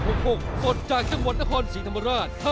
สดจากจังหวัดนครศรีธรรมราช